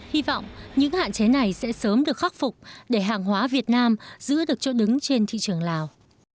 hy vọng những hạn chế này sẽ sớm được khắc phục để hàng hóa việt nam giữ được chỗ đứng trên thị trường lào